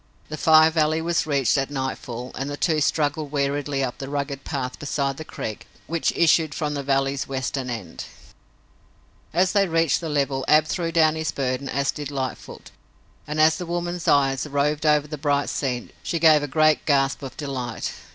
The Fire Valley was reached at nightfall and the two struggled weariedly up the rugged path beside the creek which issued from the valley's western end. As they reached the level Ab threw down his burden, as did Lightfoot, and as the woman's eyes roved over the bright scene, she gave a great gasp of delight.